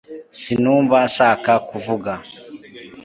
sinumva nshaka kuvuga